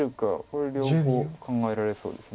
これ両方考えられそうです。